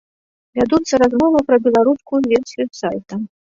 Вядуцца размовы пра беларускую версію сайта.